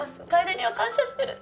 楓には感謝してる！